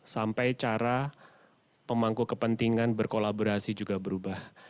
sampai cara pemangku kepentingan berkolaborasi juga berubah